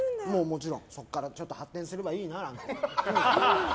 もちろん、そこから発展すればいいななんて。